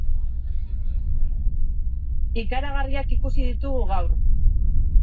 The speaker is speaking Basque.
Ikaragarriak ikusi ditugu gaur.